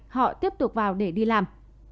họ tiếp tục vào để đi làm